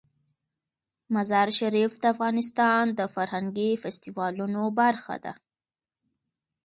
مزارشریف د افغانستان د فرهنګي فستیوالونو برخه ده.